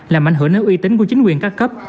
làm ảnh hưởng đến uy tín của chính quyền các cấp